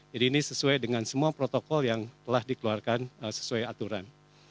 jadi ini sesuai dengan semua protokol yang telah dikeluarkan sesuai aturan